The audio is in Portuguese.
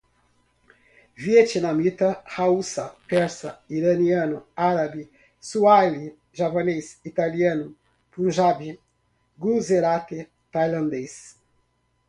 Vietnamita, hauçá, persa iraniano, árabe, suaíli, javanês, italiano, punjabi, guzerate, tailandês